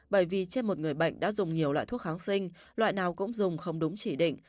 bởi vì trên một người bệnh đã dùng nhiều loại thuốc kháng sinh loại nào cũng dùng không đúng chỉ định